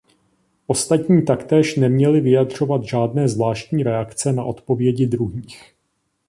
Ostatní taktéž neměli vyjadřovat žádné zvláštní reakce na odpovědi druhých.